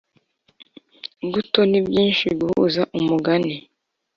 guto ni byinshi guhuza umugani